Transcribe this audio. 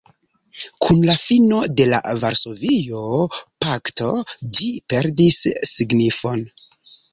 Kun la fino de la Varsovia pakto ĝi perdis signifon.